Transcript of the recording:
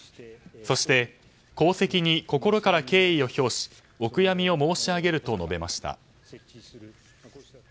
そして、功績に心から敬意を示しお悔やみを申し上げると述べました。